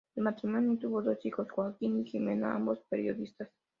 El matrimonio tuvo dos hijos, Joaquín y Ximena, ambos periodistas.